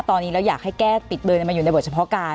ตอนนี้เราอยากให้แก้ปิดเบอร์มาอยู่ในบทเฉพาะการ